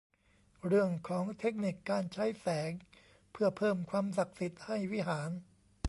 เรื่องของเทคนิคการใช้แสงเพื่อเพิ่มความศักดิ์สิทธิ์ให้วิหาร